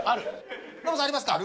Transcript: ノブさんありますか？